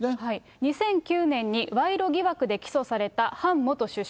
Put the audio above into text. ２００９年に、賄賂疑惑で起訴されたハン元首相。